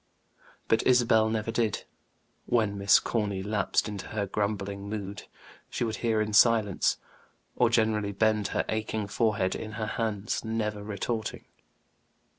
But Isabel never did; when Miss Corny lapsed into her grumbling mood, she would hear in silence, or gently bend her aching forehead in her hands, never retorting.